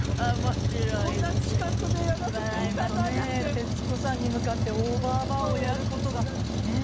徹子さんに向かって「オーバーバー」をやる事がねえ。